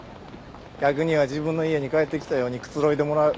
客には自分の家に帰って来たようにくつろいでもらう。